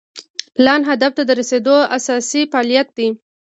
پلان هدف ته د رسیدو اساسي فعالیت دی.